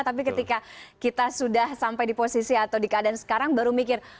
tapi ketika kita sudah sampai di posisi atau di keadaan sekarang baru mikir